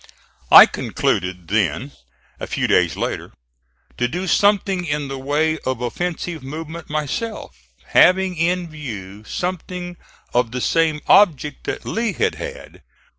I concluded, then, a few days later, to do something in the way of offensive movement myself, having in view something of the same object that Lee had had.